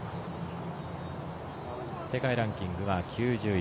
世界ランキングは９０位。